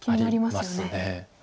あります。